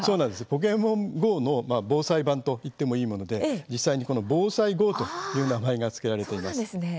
ポケモンＧＯの防災版といってもいいもので実際に、防災ＧＯという名前が付けられています。